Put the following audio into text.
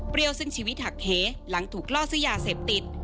ซึ่งชีวิตหักเหหลังถูกล่อซื้อยาเสพติด